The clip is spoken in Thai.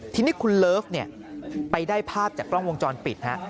ทีนี้คุณเลิฟไปได้ภาพจากกล้องวงจรปิด